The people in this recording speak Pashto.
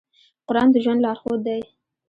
قرآن د ژوند لارښود دی.